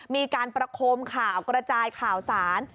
มีการประโคมข่าวกระจายข่าวสาร